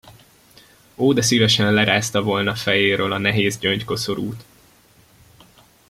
Ó, de szívesen lerázta volna fejéről a nehéz gyöngykoszorút!